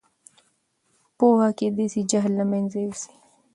پوهه کېدای سي جهل له منځه یوسي.